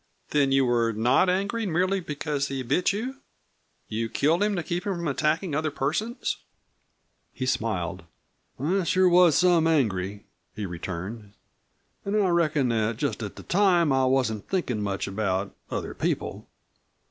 "Then you were not angry merely because he bit you? You killed him to keep him from attacking other persons?" He smiled. "I sure was some angry," he returned. "An' I reckon that just at the time I wasn't thinkin' much about other people.